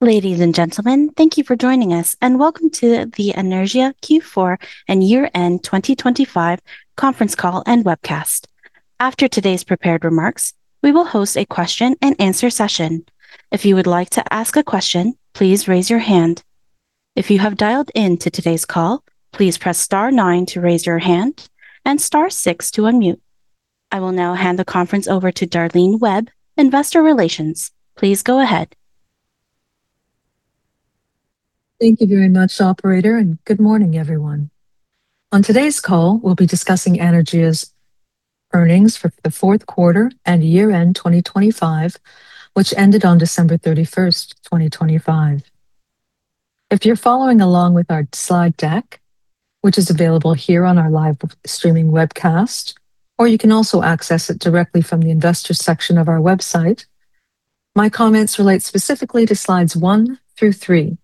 Ladies and gentlemen, thank you for joining us, and welcome to the Anaergia Q4 and Year-End 2025 Conference Call and Webcast. After today's prepared remarks, we will host a question and answer session. If you would like to ask a question, please raise your hand. If you have dialed in to today's call, please press star nine to raise your hand and star six to unmute. I will now hand the conference over to Darlene Webb, Investor Relations. Please go ahead. Thank you very much, operator, and good morning, everyone. On today's call, we'll be discussing Anaergia's earnings for the fourth quarter and year-end 2025, which ended on December 31, 2025. If you're following along with our slide deck, which is available here on our live streaming webcast, or you can also access it directly from the investor section of our website, my comments relate specifically to slides one through three.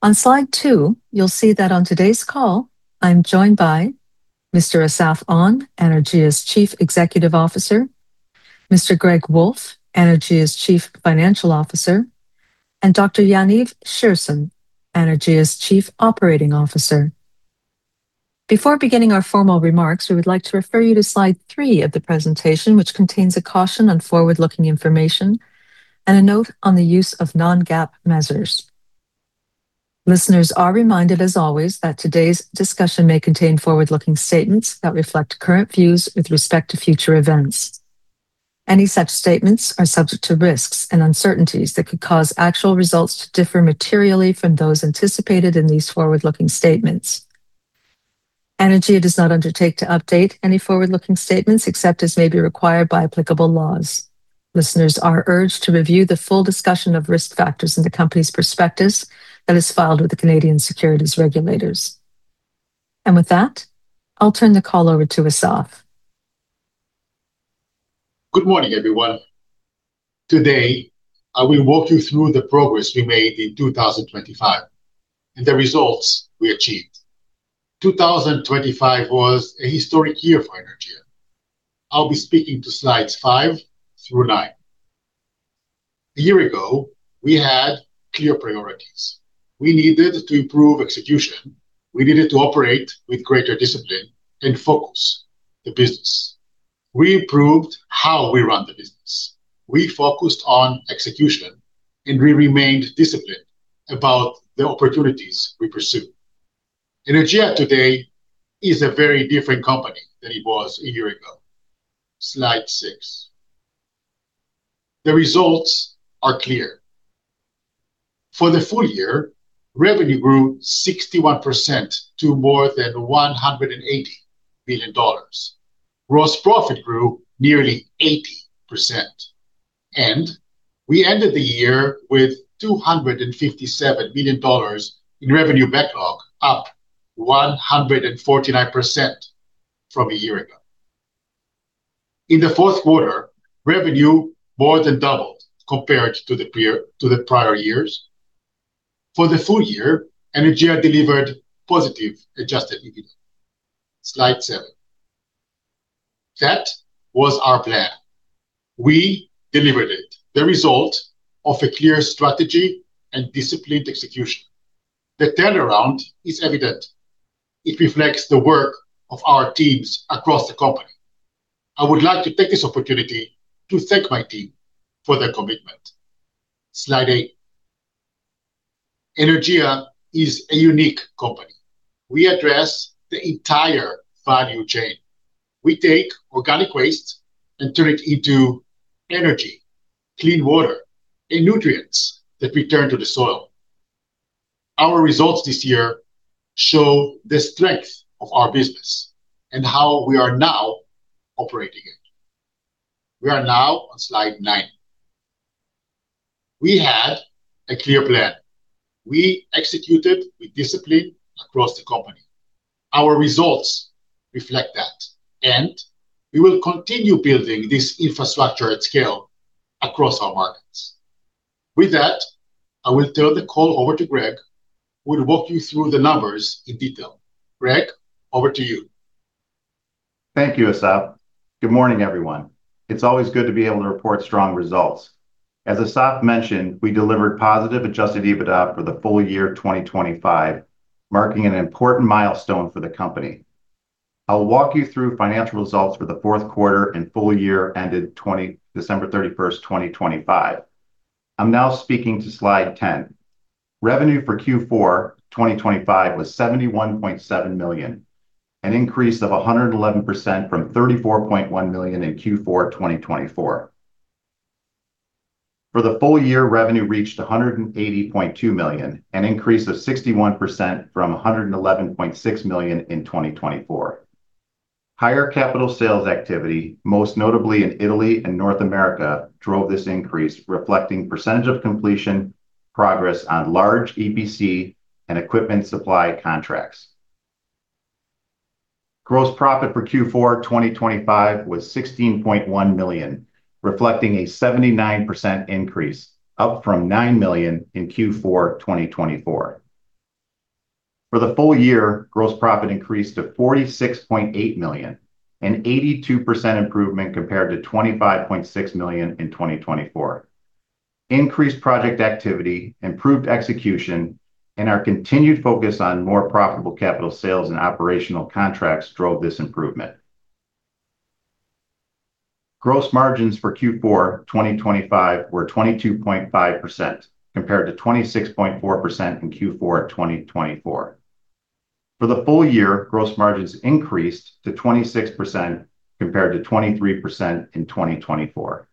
On slide two, you'll see that on today's call I'm joined by Mr. Assaf Onn, Anaergia's Chief Executive Officer, Mr. Gregory Wolf, Anaergia's Chief Financial Officer, and Dr. Yaniv Scherson, Anaergia's Chief Operating Officer. Before beginning our formal remarks, we would like to refer you to slide three of the presentation, which contains a caution on forward-looking information and a note on the use of non-GAAP measures. Listeners are reminded, as always, that today's discussion may contain forward-looking statements that reflect current views with respect to future events. Any such statements are subject to risks and uncertainties that could cause actual results to differ materially from those anticipated in these forward-looking statements. Anaergia does not undertake to update any forward-looking statements except as may be required by applicable laws. Listeners are urged to review the full discussion of risk factors in the company's prospectus that is filed with the Canadian securities regulators. With that, I'll turn the call over to Assaf. Good morning, everyone. Today, I will walk you through the progress we made in 2025 and the results we achieved. 2025 was a historic year for Anaergia. I'll be speaking to slides five through nine. A year ago, we had clear priorities. We needed to improve execution. We needed to operate with greater discipline and focus the business. We improved how we run the business. We focused on execution, and we remained disciplined about the opportunities we pursue. Anaergia today is a very different company than it was a year ago. Slide six. The results are clear. For the full year, revenue grew 61% to more than 180 million dollars. Gross profit grew nearly 80%, and we ended the year with 257 million dollars in revenue backlog, up 149% from a year ago. In the fourth quarter, revenue more than doubled compared to the prior years. For the full year, Anaergia delivered positive Adjusted EBITDA. slide seven. That was our plan. We delivered it, the result of a clear strategy and disciplined execution. The turnaround is evident. It reflects the work of our teams across the company. I would like to take this opportunity to thank my team for their commitment. Slide eight. Anaergia is a unique company. We address the entire value chain. We take organic waste and turn it into energy, clean water, and nutrients that return to the soil. Our results this year show the strength of our business and how we are now operating it. We are now on slide nine. We had a clear plan. We executed with discipline across the company. Our results reflect that, and we will continue building this infrastructure at scale across our markets. With that, I will turn the call over to Greg, who will walk you through the numbers in detail. Greg, over to you. Thank you, Assaf. Good morning, everyone. It's always good to be able to report strong results. As Assaf mentioned, we delivered positive Adjusted EBITDA for the full year 2025, marking an important milestone for the company. I'll walk you through financial results for the fourth quarter and full year ended December 31st, 2025. I'm now speaking to slide 10. Revenue for Q4 2025 was 71.7 million, an increase of 111% from 34.1 million in Q4 2024. For the full year, revenue reached 180.2 million, an increase of 61% from 111.6 million in 2024. Higher capital sales activity, most notably in Italy and North America, drove this increase, reflecting percentage of completion progress on large EPC and equipment supply contracts. Gross profit for Q4 2025 was 16.1 million, reflecting a 79% increase, up from 9 million in Q4 2024. For the full year, gross profit increased to 46.8 million, an 82% improvement compared to 25.6 million in 2024. Increased project activity, improved execution, and our continued focus on more profitable capital sales and operational contracts drove this improvement. Gross margins for Q4 2025 were 22.5% compared to 26.4% in Q4 2024. For the full year, gross margins increased to 26% compared to 23% in 2024.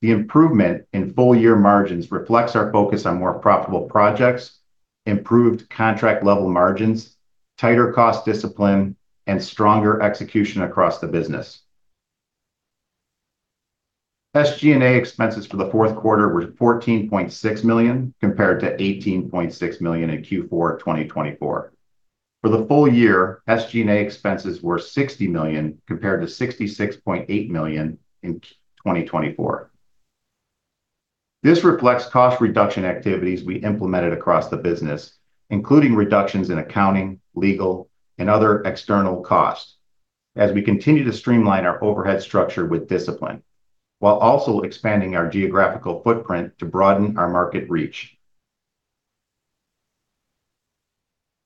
The improvement in full year margins reflects our focus on more profitable projects, improved contract level margins, tighter cost discipline, and stronger execution across the business. SG&A expenses for the fourth quarter were 14.6 million compared to 18.6 million in Q4 2024. For the full year, SG&A expenses were 60 million compared to 66.8 million in 2024. This reflects cost reduction activities we implemented across the business, including reductions in accounting, legal, and other external costs as we continue to streamline our overhead structure with discipline, while also expanding our geographical footprint to broaden our market reach.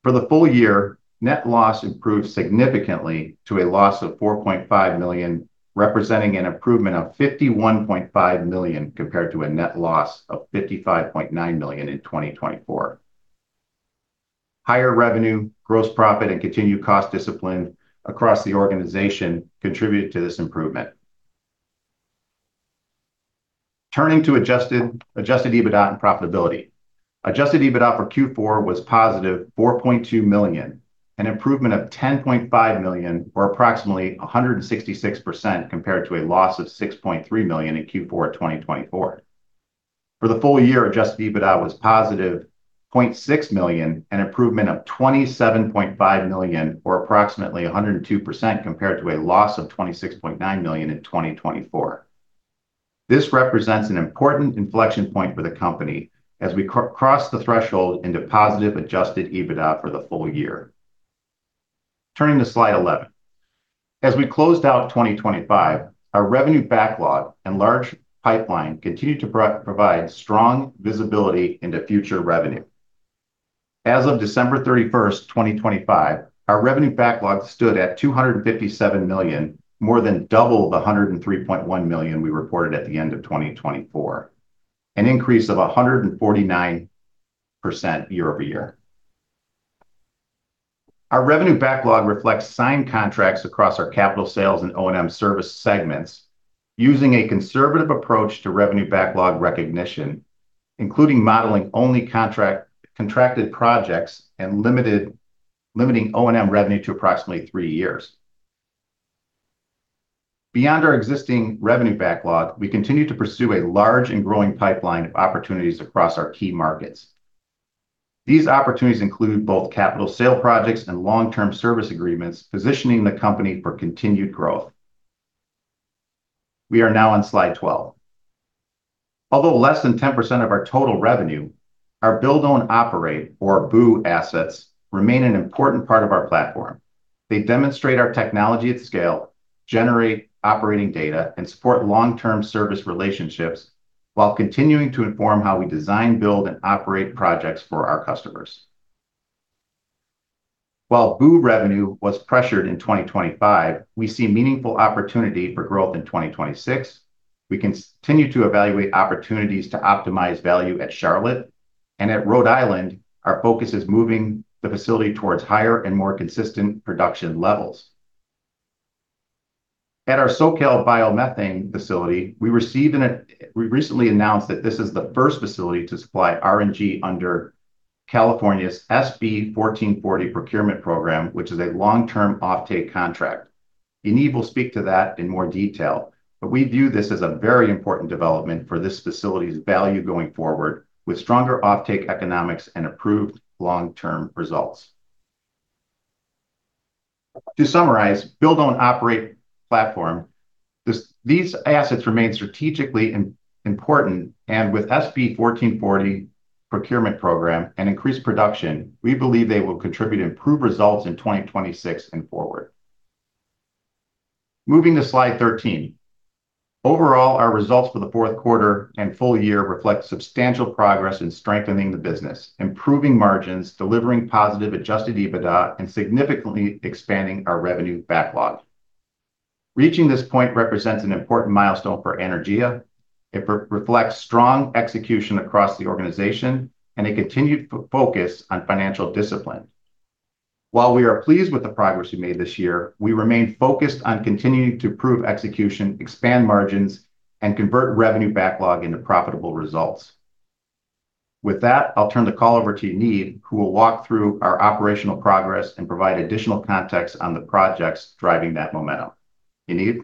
For the full year, net loss improved significantly to a loss of 4.5 million, representing an improvement of 51.5 million compared to a net loss of 55.9 million in 2024. Higher revenue, gross profit, and continued cost discipline across the organization contributed to this improvement. Turning to Adjusted EBITDA and profitability. Adjusted EBITDA for Q4 was +4.2 million, an improvement of 10.5 million or approximately 166% compared to a loss of 6.3 million in Q4 2024. For the full year, Adjusted EBITDA was +0.6 million, an improvement of 27.5 million or approximately 102% compared to a loss of 26.9 million in 2024. This represents an important inflection point for the company as we crossed the threshold into positive Adjusted EBITDA for the full year. Turning to slide 11. As we closed out 2025, our revenue backlog and large pipeline continued to provide strong visibility into future revenue. As of December 31, 2025, our revenue backlog stood at 257 million, more than double the 103.1 million we reported at the end of 2024, an increase of 149% year-over-year. Our revenue backlog reflects signed contracts across our capital sales and O&M service segments using a conservative approach to revenue backlog recognition, including modeling only contracted projects and limiting O&M revenue to approximately three years. Beyond our existing revenue backlog, we continue to pursue a large and growing pipeline of opportunities across our key markets. These opportunities include both capital sale projects and long-term service agreements, positioning the company for continued growth. We are now on slide 12. Although less than 10% of our total revenue, our Build-Own-Operate, or BOO assets, remain an important part of our platform. They demonstrate our technology at scale, generate operating data, and support long-term service relationships while continuing to inform how we design, build, and operate projects for our customers. While BOO revenue was pressured in 2025, we see meaningful opportunity for growth in 2026. We continue to evaluate opportunities to optimize value at Charlotte. At Rhode Island, our focus is moving the facility towards higher and more consistent production levels. At our SoCal Biomethane Facility, we recently announced that this is the first facility to supply RNG under California's SB 1440 Procurement Program, which is a long-term offtake contract. Yaniv will speak to that in more detail, but we view this as a very important development for this facility's value going forward with stronger offtake economics and improved long-term results. To summarize, Build-Own-Operate platform, these assets remain strategically important, and with SB 1440 Procurement Program and increased production, we believe they will contribute improved results in 2026 and forward. Moving to slide 13. Overall, our results for the fourth quarter and full year reflect substantial progress in strengthening the business, improving margins, delivering positive Adjusted EBITDA, and significantly expanding our revenue backlog. Reaching this point represents an important milestone for Anaergia. It reflects strong execution across the organization and a continued focus on financial discipline. While we are pleased with the progress we made this year, we remain focused on continuing to improve execution, expand margins, and convert revenue backlog into profitable results. With that, I'll turn the call over to Yaniv, who will walk through our operational progress and provide additional context on the projects driving that momentum. Yaniv?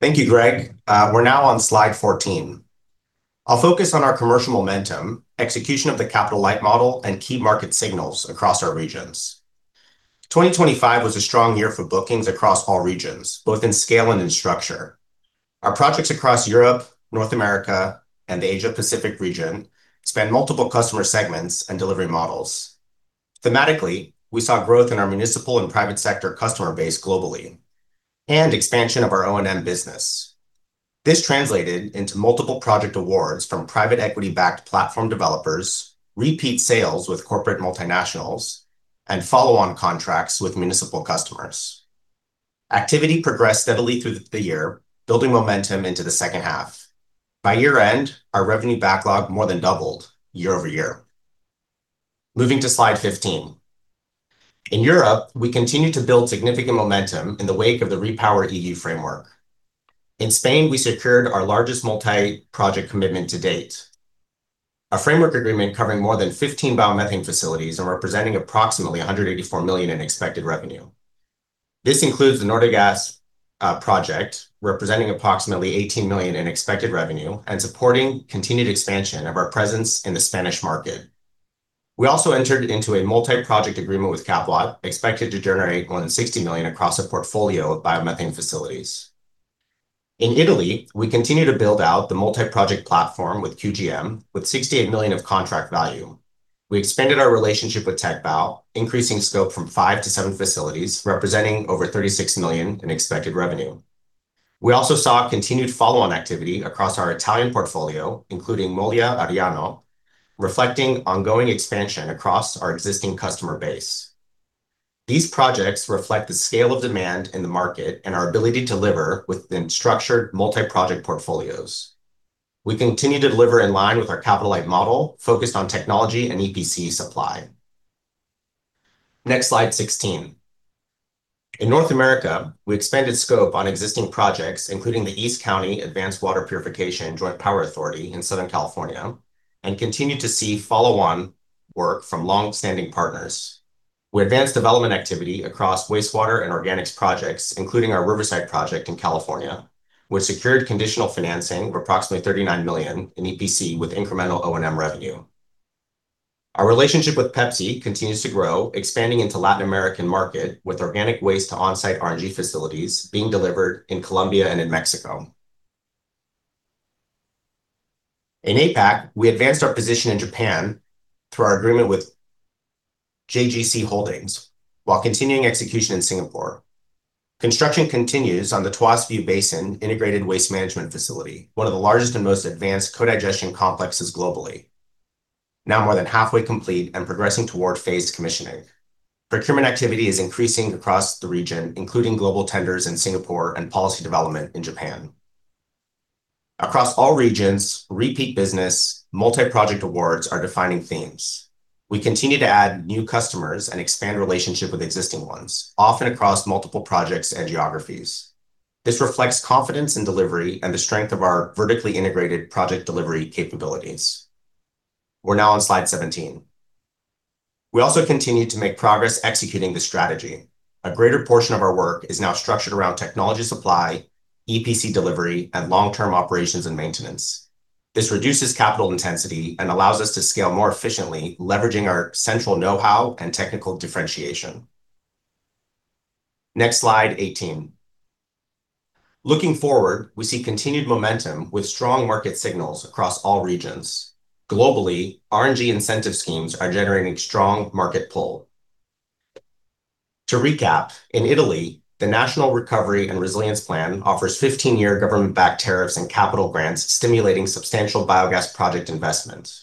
Thank you, Greg. We're now on slide 14. I'll focus on our commercial momentum, execution of the capital-light model, and key market signals across our regions. 2025 was a strong year for bookings across all regions, both in scale and in structure. Our projects across Europe, North America, and the Asia Pacific region span multiple customer segments and delivery models. Thematically, we saw growth in our municipal and private sector customer base globally and expansion of our O&M business. This translated into multiple project awards from private equity backed platform developers, repeat sales with corporate multinationals, and follow on contracts with municipal customers. Activity progressed steadily through the year, building momentum into the second half. By year end, our revenue backlog more than doubled year-over-year. Moving to slide 15. In Europe, we continued to build significant momentum in the wake of the REPowerEU framework. In Spain, we secured our largest multi-project commitment to date, a framework agreement covering more than 15 biomethane facilities and representing approximately 184 million in expected revenue. This includes the Nortegas project, representing approximately 18 million in expected revenue and supporting continued expansion of our presence in the Spanish market. We also entered into a multi-project agreement with Capwatt, expected to generate more than 60 million across a portfolio of biomethane facilities. In Italy, we continue to build out the multi-project platform with QGM, with 68 million of contract value. We expanded our relationship with Techbau, increasing scope from five to seven facilities, representing over 36 million in expected revenue. We also saw continued follow on activity across our Italian portfolio, including Molia Ariano, reflecting ongoing expansion across our existing customer base. These projects reflect the scale of demand in the market and our ability to deliver within structured multi-project portfolios. We continue to deliver in line with our capital light model, focused on technology and EPC supply. Next slide 16. In North America, we expanded scope on existing projects, including the East County Advanced Water Purification Joint Powers Authority in Southern California, and continued to see follow-on work from long-standing partners. We advanced development activity across wastewater and organics projects, including our Riverside project in California. We secured conditional financing of approximately 39 million in EPC with incremental O&M revenue. Our relationship with PepsiCo continues to grow, expanding into Latin American market with organic waste to onsite RNG facilities being delivered in Colombia and in Mexico. In APAC, we advanced our position in Japan through our agreement with JGC Holdings while continuing execution in Singapore. Construction continues on the Tuas View Basin Integrated Waste Management Facility, one of the largest and most advanced co-digestion complexes globally, now more than halfway complete and progressing toward phased commissioning. Procurement activity is increasing across the region, including global tenders in Singapore and policy development in Japan. Across all regions, repeat business, multi-project awards are defining themes. We continue to add new customers and expand relationship with existing ones, often across multiple projects and geographies. This reflects confidence in delivery and the strength of our vertically integrated project delivery capabilities. We're now on slide 17. We also continue to make progress executing the strategy. A greater portion of our work is now structured around technology supply, EPC delivery, and long term operations and maintenance. This reduces capital intensity and allows us to scale more efficiently, leveraging our central know-how and technical differentiation. Next slide, 18. Looking forward, we see continued momentum with strong market signals across all regions. Globally, RNG incentive schemes are generating strong market pull. To recap, in Italy, the National Recovery and Resilience Plan offers 15-year government backed tariffs and capital grants stimulating substantial biogas project investment.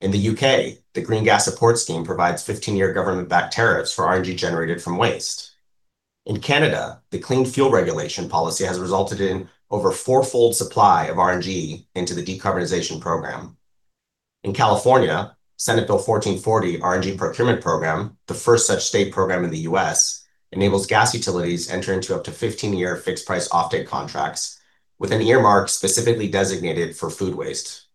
In the U.K., the Green Gas Support Scheme provides 15-year government backed tariffs for RNG generated from waste. In Canada, the Clean Fuel Regulation policy has resulted in over four-fold supply of RNG into the decarbonization program. In California, Senate Bill 1440 RNG Procurement Program, the first such state program in the U.S., enables gas utilities enter into up to 15-year fixed price offtake contracts with an earmark specifically designated for food waste.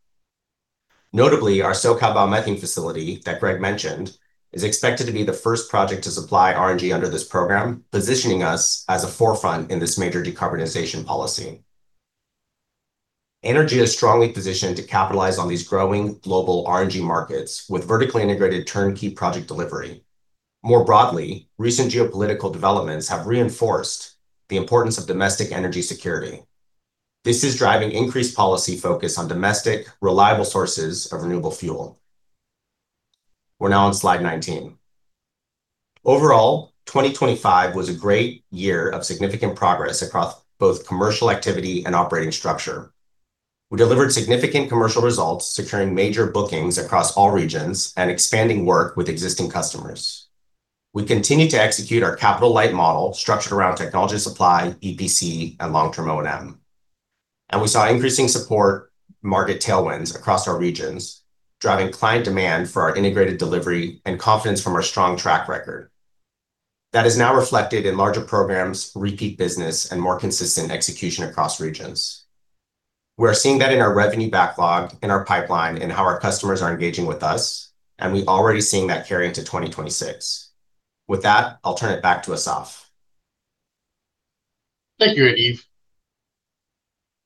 Notably, our SoCal Biomethane Facility that Greg mentioned is expected to be the first project to supply RNG under this program, positioning us as a forefront in this major decarbonization policy. Anaergia is strongly positioned to capitalize on these growing global RNG markets with vertically integrated turnkey project delivery. More broadly, recent geopolitical developments have reinforced the importance of domestic energy security. This is driving increased policy focus on domestic reliable sources of renewable fuel. We're now on slide 19. Overall, 2025 was a great year of significant progress across both commercial activity and operating structure. We delivered significant commercial results, securing major bookings across all regions and expanding work with existing customers. We continued to execute our capital light model structured around technology supply, EPC, and long-term O&M. We saw increasing support market tailwinds across our regions, driving client demand for our integrated delivery and confidence from our strong track record. That is now reflected in larger programs, repeat business, and more consistent execution across regions. We're seeing that in our revenue backlog, in our pipeline, in how our customers are engaging with us, and we've already seen that carry into 2026. With that, I'll turn it back to Assaf. Thank you, Yaniv.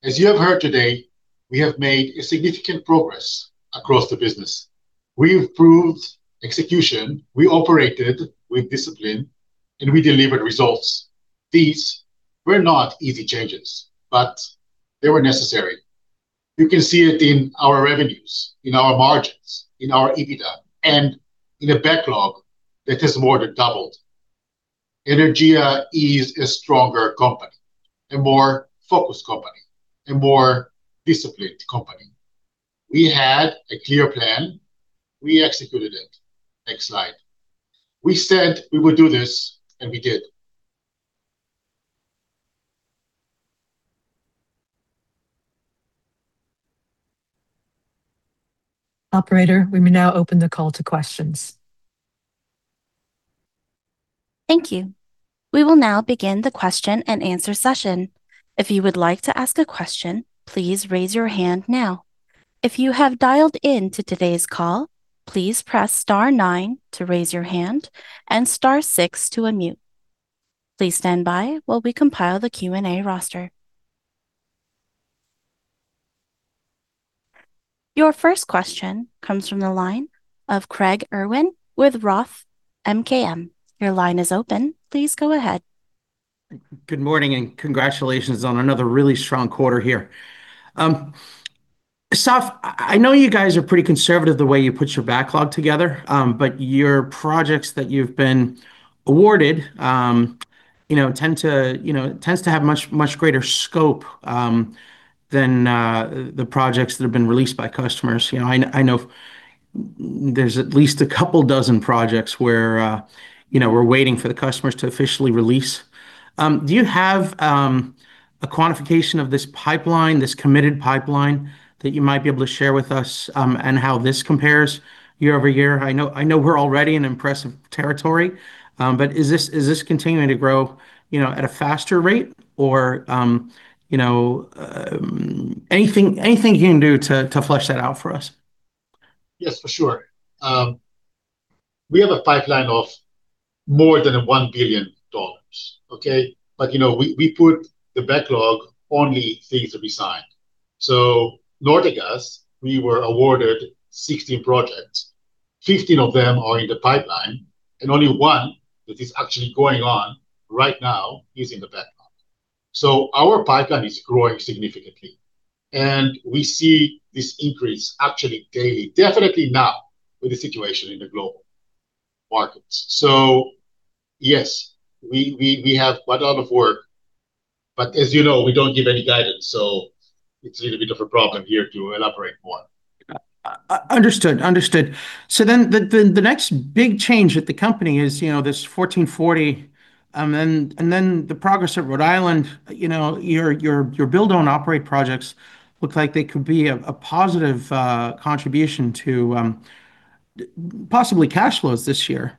As you have heard today, we have made significant progress across the business. We improved execution, we operated with discipline, and we delivered results. These were not easy changes, but they were necessary. You can see it in our revenues, in our margins, in our EBITDA, and in a backlog that has more than doubled. Anaergia is a stronger company, a more focused company, a more disciplined company. We had a clear plan. We executed it. Next slide. We said we would do this, and we did. Operator, we may now open the call to questions. Thank you. We will now begin the question and answer session. If you would like to ask a question, please raise your hand now. If you have dialed in to today's call, please press star nine to raise your hand and star six to unmute. Please stand by while we compile the Q&A roster. Your first question comes from the line of Craig Irwin with Roth MKM. Your line is open. Please go ahead. Good morning, and congratulations on another really strong quarter here. Assaf, I know you guys are pretty conservative the way you put your backlog together, but your projects that you've been awarded, you know, tends to have much, much greater scope than the projects that have been released by customers. You know, I know there's at least a couple dozen projects where you know, we're waiting for the customers to officially release. Do you have a quantification of this pipeline, this committed pipeline that you might be able to share with us, and how this compares year over year? I know we're already in impressive territory, but is this continuing to grow, you know, at a faster rate or, you know, anything you can do to flesh that out for us? Yes, for sure. We have a pipeline of more than 1 billion dollars, okay? You know, we put the backlog only things that we signed. Nortegas, we were awarded 16 projects. 15 of them are in the pipeline, and only one that is actually going on right now is in the backlog. Our pipeline is growing significantly, and we see this increase actually daily, definitely now with the situation in the global markets. Yes, we have a lot of work. As you know, we don't give any guidance, so it's a little bit of a problem here to elaborate more. Understood. The next big change at the company is, you know, this SB 1440, and then the progress at Rhode Island. You know, your Build-Own-Operate projects look like they could be a positive contribution to possibly cash flows this year.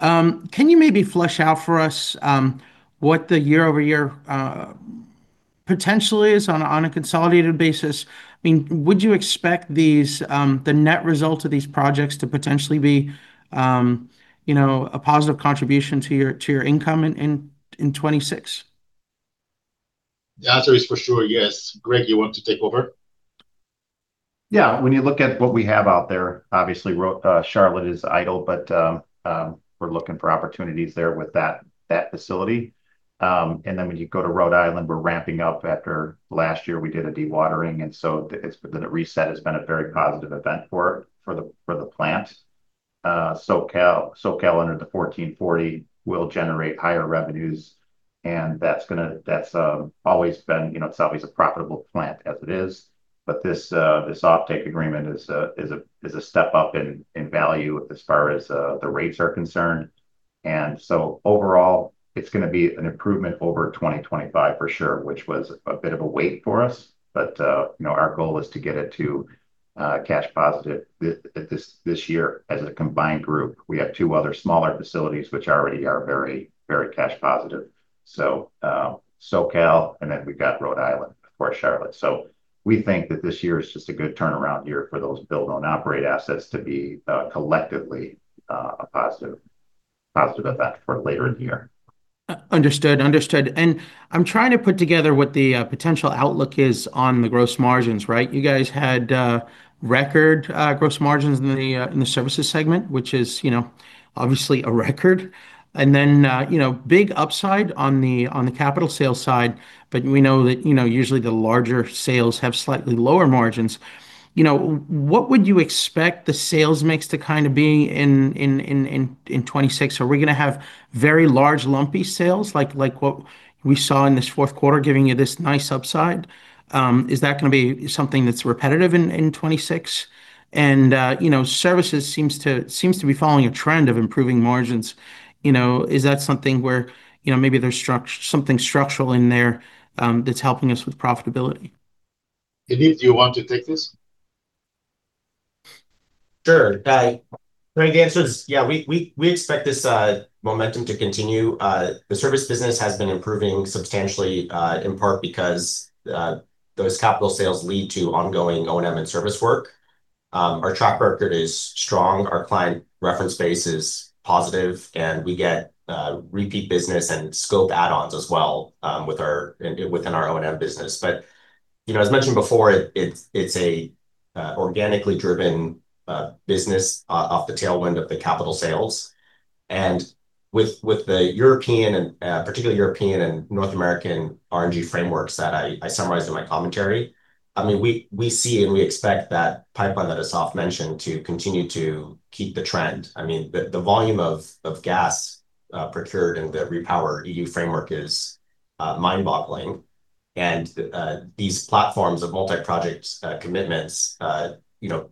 Can you maybe flesh out for us, what the year-over-year potential is on a consolidated basis? I mean, would you expect these, the net result of these projects to potentially be, you know, a positive contribution to your income in 2026? The answer is for sure yes. Greg, you want to take over? When you look at what we have out there, obviously Charlotte is idle, but we're looking for opportunities there with that facility. When you go to Rhode Island, we're ramping up after last year we did a dewatering, so it's the reset has been a very positive event for the plant. SoCal under the 1440 will generate higher revenues, and that's gonna. That's always been, you know, it's always a profitable plant as it is. But this offtake agreement is a step up in value as far as the rates are concerned. Overall, it's gonna be an improvement over 2025 for sure, which was a bit of a wait for us. you know, our goal is to get it to cash positive this year as a combined group. We have two other smaller facilities which already are very cash positive. SoCal, and then we've got Rhode Island before Charlotte. We think that this year is just a good turnaround year for those Build-Own-Operate assets to be collectively a positive effect for later in the year. Understood. I'm trying to put together what the potential outlook is on the gross margins, right? You guys had record gross margins in the services segment, which is, you know, obviously a record. Then, you know, big upside on the capital sales side, but we know that, you know, usually the larger sales have slightly lower margins. You know, what would you expect the sales mix to kind of be in 2026? Are we gonna have very large lumpy sales like what we saw in this fourth quarter, giving you this nice upside? Is that gonna be something that's repetitive in 2026? You know, services seems to be following a trend of improving margins. You know, is that something where, you know, maybe there's something structural in there that's helping us with profitability? Yaniv, do you want to take this? Sure. Craig, the answer is, yeah, we expect this momentum to continue. The service business has been improving substantially, in part because those capital sales lead to ongoing O&M and service work. Our track record is strong, our client reference base is positive, and we get repeat business and scope add-ons as well, within our O&M business. You know, as mentioned before, it's a organically driven business off the tailwind of the capital sales. With the European and particularly European and North American RNG frameworks that I summarized in my commentary, I mean, we see and we expect that pipeline that Assaf mentioned to continue to keep the trend. I mean, the volume of gas procured in the REPowerEU framework is mind-boggling. These platforms of multi-project commitments, you know,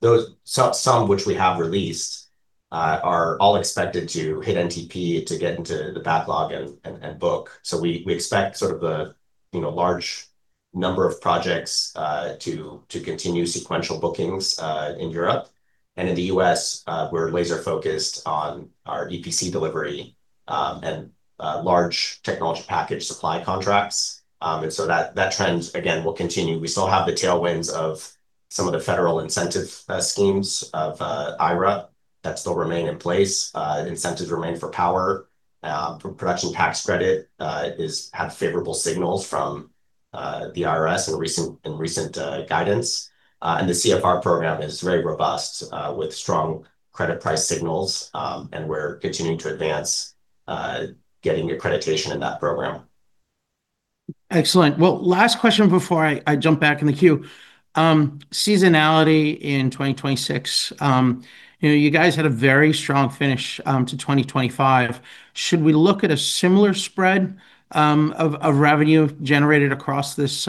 those—some which we have released are all expected to hit NTP to get into the backlog and book. We expect sort of a, you know, large number of projects to continue sequential bookings in Europe. In the U.S., we're laser-focused on our EPC delivery and large technology package supply contracts. That trend again will continue. We still have the tailwinds of some of the federal incentive schemes of IRA that still remain in place. Incentives remain for power. Production tax credit had favorable signals from the IRS in recent guidance. The CFR program is very robust, with strong credit price signals, and we're continuing to advance getting accreditation in that program. Excellent. Well, last question before I jump back in the queue. Seasonality in 2026. You know, you guys had a very strong finish to 2025. Should we look at a similar spread of revenue generated across this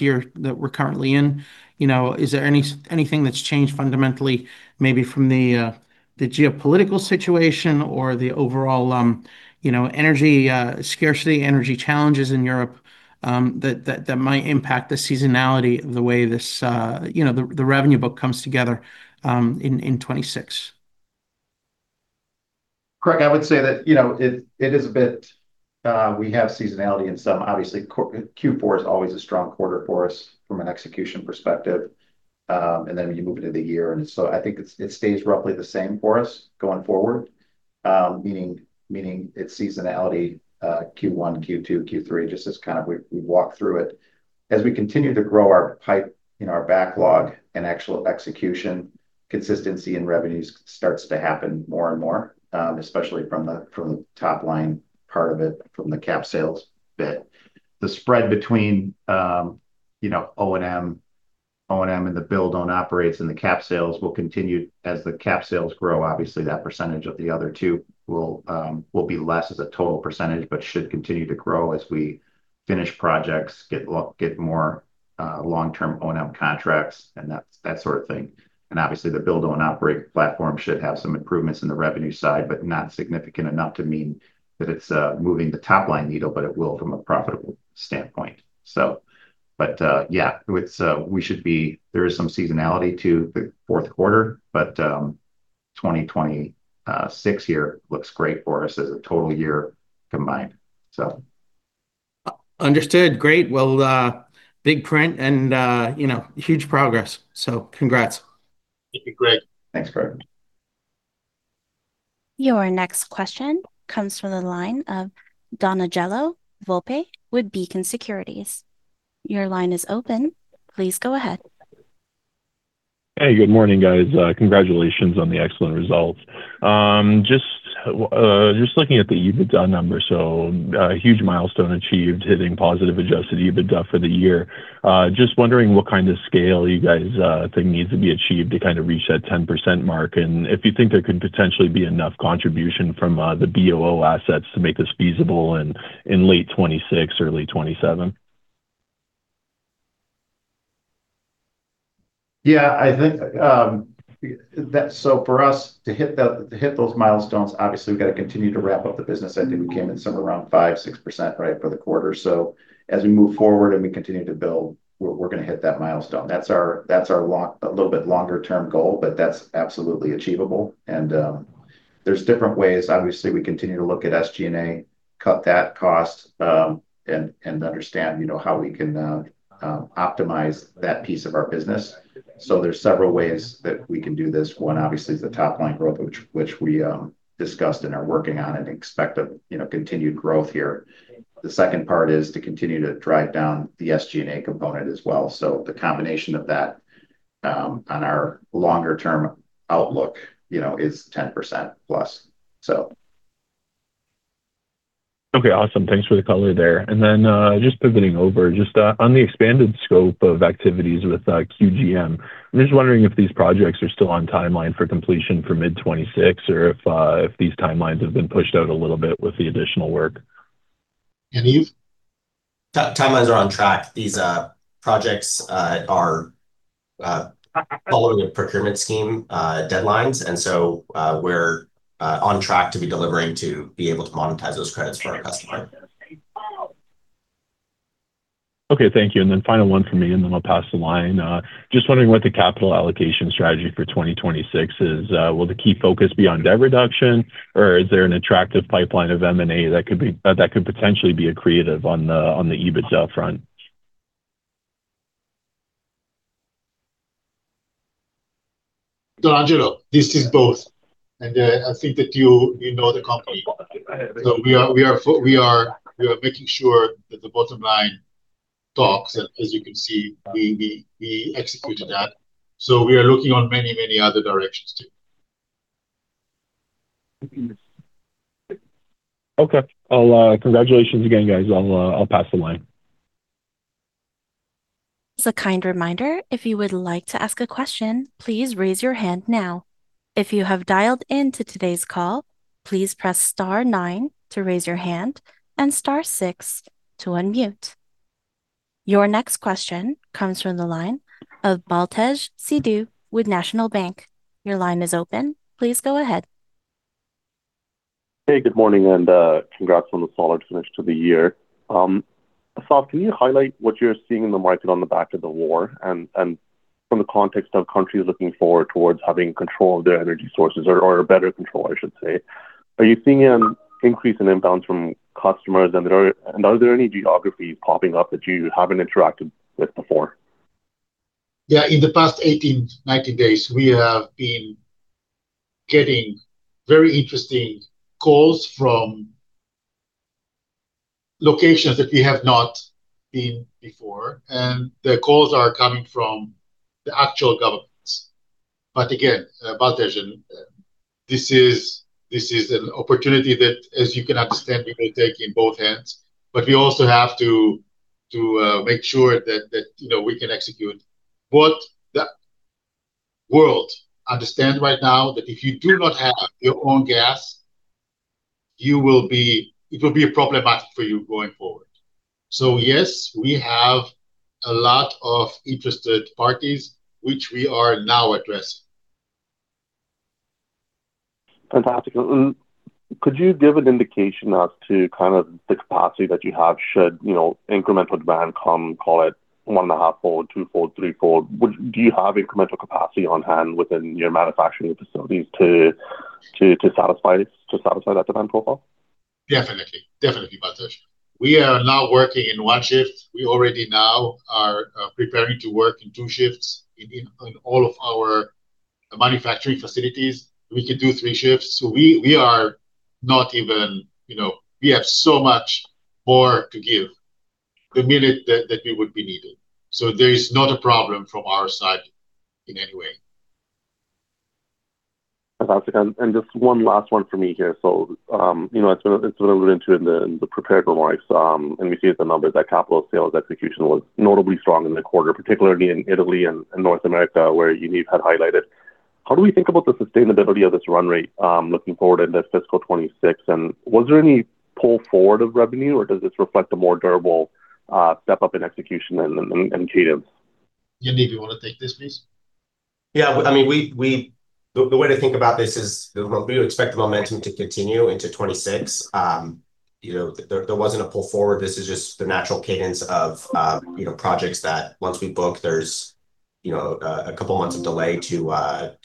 year that we're currently in? You know, is there anything that's changed fundamentally maybe from the geopolitical situation or the overall, you know, energy scarcity, energy challenges in Europe, that might impact the seasonality of the way this, you know, the revenue book comes together in 2026? Craig, I would say that it is a bit, we have seasonality in some. Obviously Q4 is always a strong quarter for us from an execution perspective. I think it stays roughly the same for us going forward, meaning it's seasonality, Q1, Q2, Q3, just as kind of we walk through it. As we continue to grow our pipe in our backlog and actual execution, consistency in revenues starts to happen more and more, especially from the top line part of it, from the cap sales bit. The spread between O&M and the Build-Own-Operate and the cap sales will continue as the cap sales grow. Obviously, that percentage of the other two will be less as a total percentage, but should continue to grow as we finish projects, get more long-term O&M contracts and that sort of thing. Obviously the Build-Own-Operate platform should have some improvements in the revenue side, but not significant enough to mean that it's moving the top-line needle, but it will from a profitable standpoint. There is some seasonality to the fourth quarter, but 2026 looks great for us as a total year combined. Understood. Great. Well, big print and, you know, huge progress, so congrats. Thank you, Craig. Thanks, Craig. Your next question comes from the line of Donangelo Volpe with Beacon Securities. Your line is open. Please go ahead. Hey, good morning, guys. Congratulations on the excellent results. Just looking at the EBITDA numbers. Huge milestone achieved hitting positive Adjusted EBITDA for the year. Just wondering what kind of scale you guys think needs to be achieved to kind of reach that 10% mark, and if you think there could potentially be enough contribution from the BOO assets to make this feasible in late 2026, early 2027. I think for us to hit those milestones, obviously we've got to continue to ramp up the business. I think we came in somewhere around 5%-6%, right, for the quarter. As we move forward and we continue to build, we're gonna hit that milestone. That's our a little bit longer-term goal, but that's absolutely achievable. There's different ways. Obviously, we continue to look at SG&A, cut that cost, and understand, you know, how we can optimize that piece of our business. There's several ways that we can do this. One, obviously, is the top-line growth, which we discussed and are working on and expect, you know, a continued growth here. The second part is to continue to drive down the SG&A component as well. The combination of that, on our longer term outlook, you know, is 10%+, so. Okay, awesome. Thanks for the color there. Just pivoting over, just, on the expanded scope of activities with QGM, I'm just wondering if these projects are still on timeline for completion for mid-2026 or if these timelines have been pushed out a little bit with the additional work. Yaniv? Timelines are on track. These projects are following a procurement scheme deadlines, and so we're on track to be delivering to be able to monetize those credits for our customer. Okay, thank you. Then final one from me, and then I'll pass the line. Just wondering what the capital allocation strategy for 2026 is. Will the key focus be on debt reduction, or is there an attractive pipeline of M&A that could potentially be accretive on the EBITDA front? Donangelo Volpe, this is both, and I think that you know the company. We are making sure that the bottom line talks, and as you can see, we executed that. We are looking in many other directions too. Okay. Congratulations again, guys. I'll pass the line. As a kind reminder, if you would like to ask a question, please raise your hand now. If you have dialed in to today's call, please press star nine to raise your hand and star six to unmute. Your next question comes from the line of Baltej Sidhu with National Bank. Your line is open. Please go ahead. Hey, good morning, and congrats on the solid finish to the year. Assaf, can you highlight what you're seeing in the market on the back of the war and from the context of countries looking forward towards having control of their energy sources or a better control, I should say. Are you seeing an increase in inbound from customers, and are there any geographies popping up that you haven't interacted with before? In the past 18, 19 days, we have been getting very interesting calls from locations that we have not been before, and the calls are coming from the actual governments. Again, Baltej, this is an opportunity that, as you can understand, we will take in both hands. We also have to make sure that you know, we can execute. The world understand right now that if you do not have your own gas, you will be. It will be problematic for you going forward. Yes, we have a lot of interested parties which we are now addressing. Fantastic. Could you give an indication as to kind of the capacity that you have should, you know, incremental demand come, call it one and a half-fold, two-fold, three-fold? Do you have incremental capacity on hand within your manufacturing facilities to satisfy that demand profile? Definitely, Baltej. We are now working in one shift. We already now are preparing to work in two shifts. In all of our manufacturing facilities, we could do three shifts. We are not even, you know. We have so much more to give the minute that we would be needed. There is not a problem from our side in any way. Fantastic. Just one last one for me here. You know, it's been alluded to in the prepared remarks, and we see the numbers, that capital sales execution was notably strong in the quarter, particularly in Italy and North America, where Yaniv had highlighted. How do we think about the sustainability of this run rate, looking forward into fiscal 2026? Was there any pull forward of revenue, or does this reflect a more durable step up in execution and cadence? Yaniv, you want to take this, please? Yeah. I mean, the way to think about this is we expect the momentum to continue into 2026. You know, there wasn't a pull forward. This is just the natural cadence of, you know, projects that once we book, there's, you know, a couple months of delay to,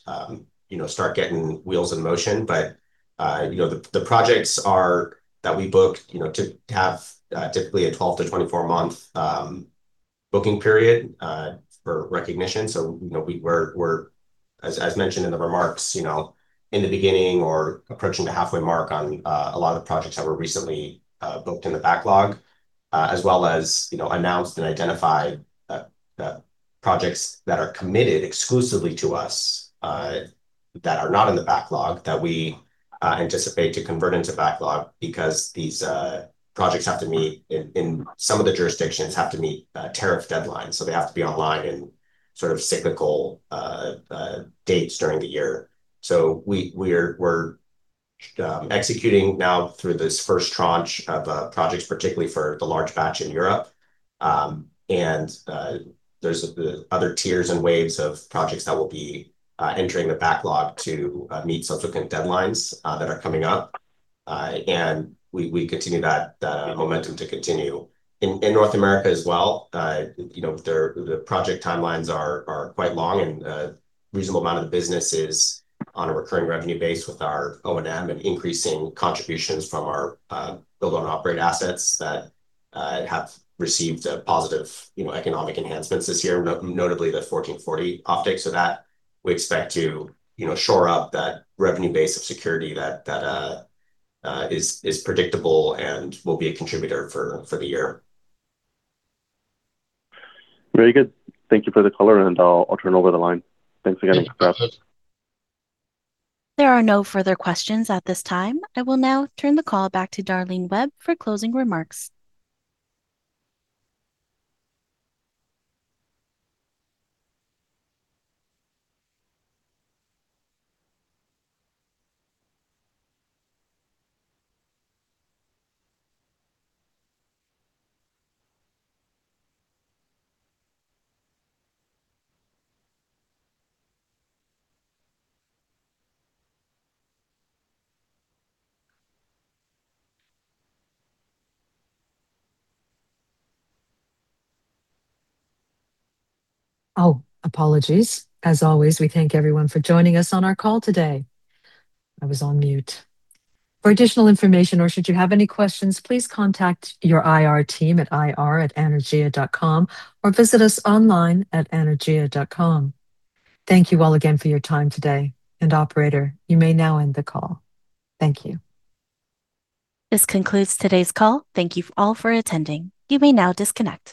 you know, start getting wheels in motion. You know, the projects are that we booked, you know, to have typically a 12 to 24 month booking period for recognition. You know, we're as mentioned in the remarks, you know, in the beginning or approaching the halfway mark on a lot of projects that were recently booked in the backlog. As well as, you know, announced and identified projects that are committed exclusively to us that are not in the backlog that we anticipate to convert into backlog because these projects have to meet in some of the jurisdictions tariff deadlines, so they have to be online in sort of cyclical dates during the year. We're executing now through this first tranche of projects, particularly for the large batch in Europe. There's other tiers and waves of projects that will be entering the backlog to meet subsequent deadlines that are coming up. We continue that momentum to continue. In North America as well, you know, the project timelines are quite long and reasonable amount of the business is on a recurring revenue base with our O&M and increasing contributions from our Build-Own-Operate assets that have received a positive you know economic enhancements this year, notably the SB 1440. We expect to you know shore up that revenue base, a security that is predictable and will be a contributor for the year. Very good. Thank you for the color, and I'll turn over the line. Thanks again. Thank you. There are no further questions at this time. I will now turn the call back to Darlene Webb for closing remarks. Oh, apologies. As always, we thank everyone for joining us on our call today. I was on mute. For additional information or should you have any questions, please contact your IR team at ir@anaergia.com or visit us online at anaergia.com. Thank you all again for your time today, and operator, you may now end the call. Thank you. This concludes today's call. Thank you all for attending. You may now disconnect.